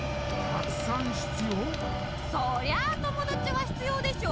そりゃあ友だちはひつようでしょ。